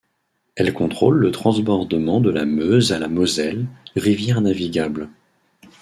Elle contrôle le transbordement de la Meuse à la Moselle, rivières navigables.